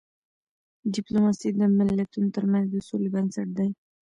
ډيپلوماسی د ملتونو ترمنځ د سولې بنسټ دی.